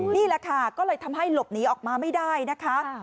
นี่แหละค่ะก็เลยทำให้หลบหนีออกมาไม่ได้นะคะ